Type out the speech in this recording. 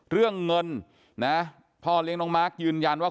เรื่องเงินนะพ่อเลี้ยงน้องมาร์คยืนยันว่า